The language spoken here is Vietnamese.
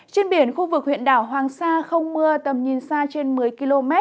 trên biển khu vực huyện đảo hoàng sa không mưa tầm nhìn xa trên một mươi km